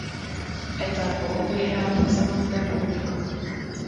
Etapu vyhrál po samostatném úniku.